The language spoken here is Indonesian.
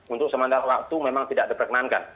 untuk sementara waktu memang tidak diperkenankan